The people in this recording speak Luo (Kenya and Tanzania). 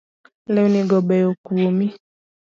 Lewni go beyo kuomi